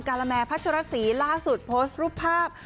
กัลแมรพัชฌาษีล่าสุดโพสต์รูปภาพ